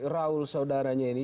raul saudaranya ini